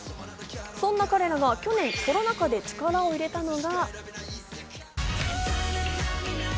そんな彼らが去年コロナ禍で力を入れたのが。